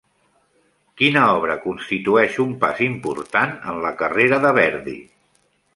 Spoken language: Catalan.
Quina obra constitueix un pas important en la carrera de Verdi?